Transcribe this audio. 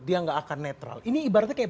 dia nggak akan netral ini ibaratnya kayak